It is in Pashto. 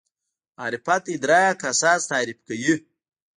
معرفت ادراک اساس تعریف کوي.